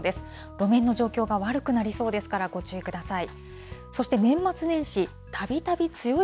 路面の状況が悪くなりそうですから、ご注意ください。